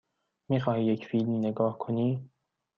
می خواهی یک فیلم نگاه کنی؟